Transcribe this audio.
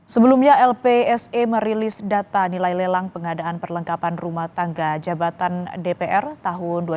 sebelumnya lpse merilis data nilai lelang pengadaan perlengkapan rumah tangga jabatan dpr tahun dua ribu enam belas